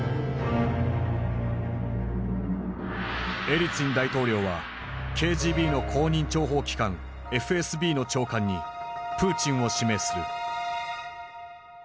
エリツィン大統領はＫＧＢの後任諜報機関ＦＳＢの長官にプーチンを指名する。